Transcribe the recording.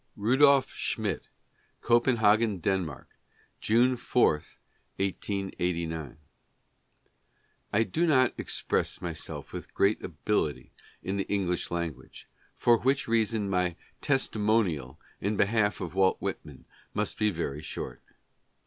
Rudolf Schmidt: Copenhagen, Denmark, June 4, 1889. I do not express myself with great ability in the English language, for which reason my " testimonial " in behalf of Walt Whitman must be very short.